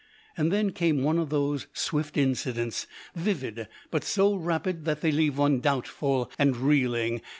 And then came one of those swift incidents, vivid, but so rapid that they leave one doubtful and reeling.